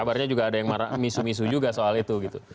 kabarnya juga ada yang marah misu misu juga soal itu gitu